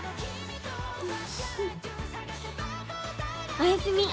おやすみ。